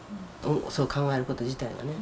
そう考えること自体がね。